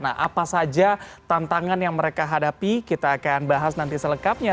nah apa saja tantangan yang mereka hadapi kita akan bahas nanti selengkapnya